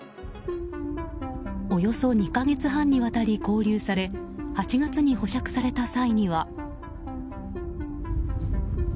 およそ２か月半にわたり拘留され８月に保釈された際には。